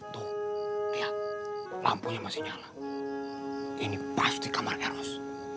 tuh lihat lampunya masih nyala ini pasti kamar eros